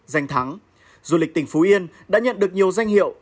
danh thắng du lịch tỉnh phú yên đã nhận được nhiều danh hiệu